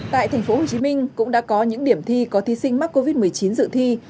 tại tp hcm cũng đã có những điểm thi có thí sinh mắc covid một mươi chín dự thi